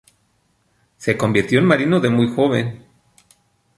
Se convirtió en marino de muy joven.